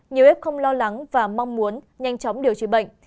nhiều em không lo lắng và mong muốn nhanh chóng điều trị bệnh